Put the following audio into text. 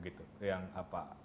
bagaimana yang terjadi